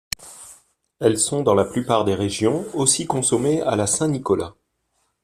Elles sont dans la plupart des régions aussi consommées à la Saint-Nicolas.